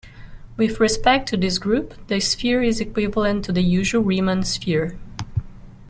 With respect to this group, the sphere is equivalent to the usual Riemann sphere.